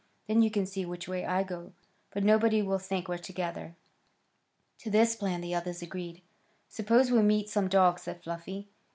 Then you can see which way I go, but nobody will think we're together." To this plan the others agreed. "Suppose we meet some dogs?" said Fluffy.